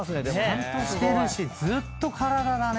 ちゃんとしてるしずっと体だね。